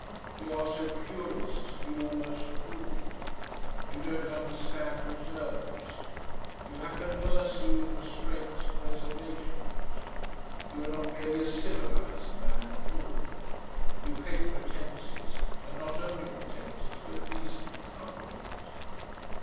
You are so curious as to be almost cruel. You don't understand reserves. You have no mercy with restraints and reservations. You are not really a CIVILISED man at all. You hate pretences and not only pretences but decent coverings....